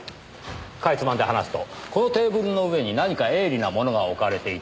かいつまんで話すとこのテーブルの上に何か鋭利なものが置かれていた。